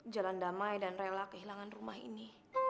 jalan damai dan rela kehilangan rumah ini